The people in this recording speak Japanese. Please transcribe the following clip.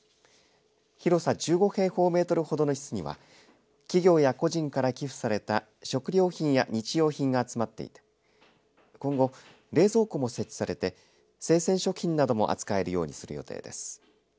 広さ１５平方メートルほどの一室には企業や個人から寄付された食料品や日用品が集まっていて今後、冷蔵庫も設置されて生鮮食品なども扱えるようにする予定です。